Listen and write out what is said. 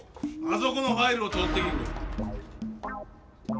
あそこのファイルをとってきてくれ。